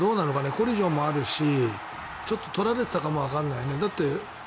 コリジョンもあるし取られてたかもわからないね。